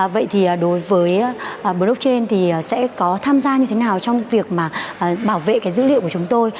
vậy thì đối với blockchain thì sẽ có tham gia như thế nào trong việc bảo vệ cái dữ liệu của chúng tôi